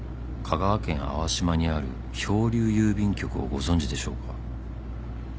「香川県粟島にある漂流郵便局をご存じでしょうか」